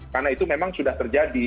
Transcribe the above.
karena itu memang sudah terjadi